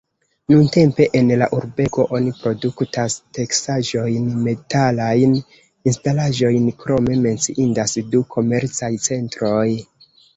Nuntempe en la urbego oni produktas teksaĵojn, metalajn instalaĵojn, krome menciindas du komercaj centroj.